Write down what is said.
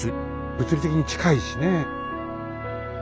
物理的に近いしねえ。